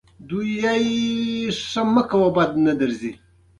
وحشي حیوانات د افغانستان د صادراتو برخه ده.